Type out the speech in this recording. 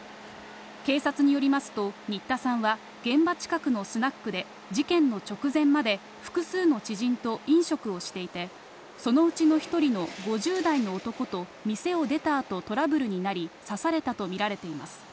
警察によりますと新田さんは現場近くのスナックで事件の直前まで複数の知人と飲食をしていて、そのうちの１人の５０代の男と店を出た後、トラブルになり、刺されたとみられています。